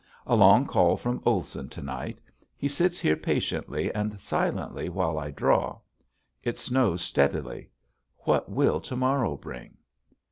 A long call from Olson to night. He sits here patiently and silently while I draw. It snows steadily. What will to morrow bring?